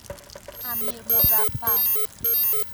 امیرمظفر